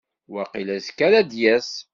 Waqil azekka ara d-yas.